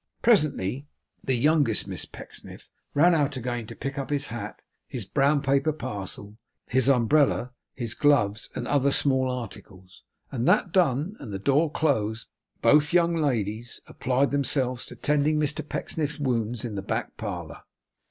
Presently, the youngest Miss Pecksniff ran out again to pick up his hat, his brown paper parcel, his umbrella, his gloves, and other small articles; and that done, and the door closed, both young ladies applied themselves to tending Mr Pecksniff's wounds in the back parlour.